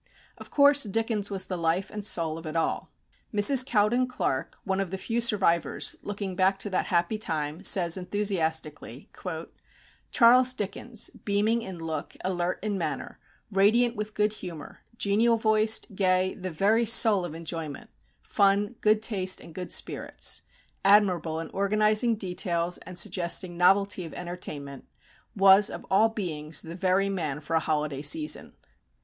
Of course Dickens was the life and soul of it all. Mrs. Cowden Clarke, one of the few survivors, looking back to that happy time, says enthusiastically, "Charles Dickens, beaming in look, alert in manner, radiant with good humour, genial voiced, gay, the very soul of enjoyment, fun, good taste, and good spirits, admirable in organizing details and suggesting novelty of entertainment, was of all beings the very man for a holiday season."